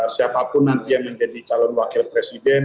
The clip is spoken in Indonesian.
siapapun nanti yang menjadi calon wakil presiden